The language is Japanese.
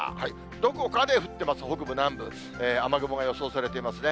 どこかで降ってます、北部、南部、雨雲が予想されていますね。